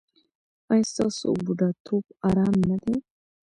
ایا ستاسو بوډاتوب ارام نه دی؟